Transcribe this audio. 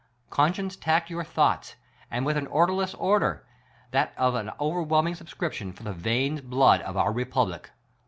Conscience tact your thoughts ; and with an orderless order — that of an overwhelming subscription for the veins blood of our republic.